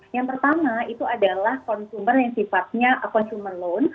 yang pertama itu adalah konsumen yang sifatnya consumer loan